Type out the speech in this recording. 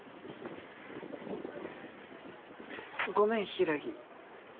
ごめん柊。